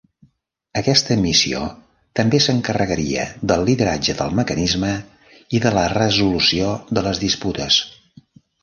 Aquesta missió també s'encarregaria del lideratge del mecanisme i de la resolució de les disputes.